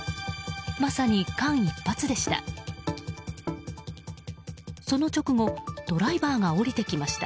まさに間一髪でした。